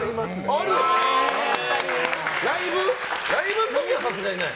ライブの時はさすがにない？